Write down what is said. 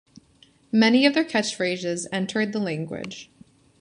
Many of their catch phrases entered the language.